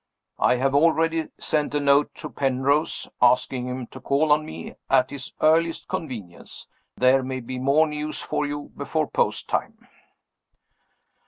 I have already sent a note to Penrose, asking him to call on me at his earliest convenience. There may be more news for you before post time.